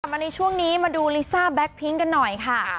มาในช่วงนี้มาดูลิซ่าแก๊กพิ้งกันหน่อยค่ะ